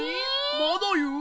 まだいう？